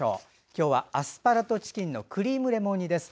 今日はアスパラとチキンのクリームレモン煮です。